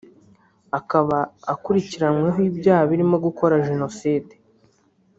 akaba akurikiranyweho ibyaha birimo gukora Jenoside